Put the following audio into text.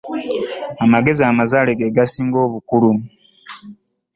Amagezi amazaale ge gasinga obukulu.